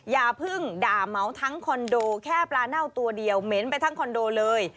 อย่าเพิ่งด่าเหมาทั้งคอนโดแค่ปลาเน่าตัวเดียวเหม็นไปทั้งคอนโดเลย